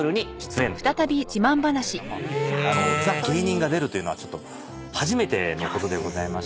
ザ・芸人が出るというのは初めてのことでございまして。